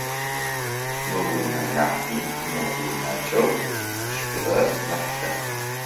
Мы унэм нахьи мо унакӏэу къашӏырэр нахь дах.